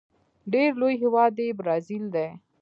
ډیر لوی هیواد یې برازيل دی.